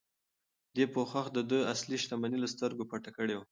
دې پوښ د ده اصلي شتمني له سترګو پټه کړې وه.